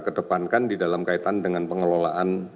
kedepankan di dalam kaitan dengan pengelolaan